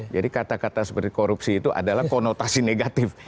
kata kata seperti korupsi itu adalah konotasi negatif